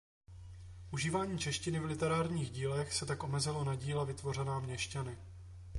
Užívání češtiny v literárních dílech se tak omezilo na díla vytvořená měšťany.